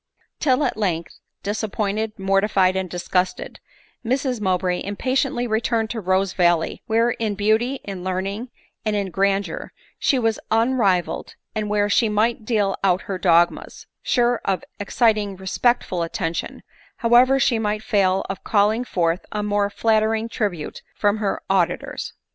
»> till at length, disappointed, mortified, and disgusted, Mrs Mowbray impatiendy returned to RosevaHey, where, in beauty, in learning, and in grandeur, she was unrivalled, and where she might deal out her dogmas, sure of ex citing respectful attention, however she might fail of call ing forth a more flattering tribute from her auditors.